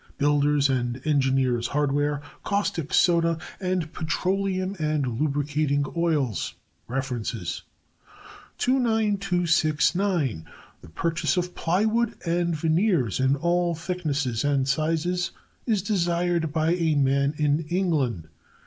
builders' and engineers' hardware; caustic soda; and petroleum and lubricating oils. References. 29269.* The purchase of plywood and veneers in all thicknesses and sizes is desired by a man in England.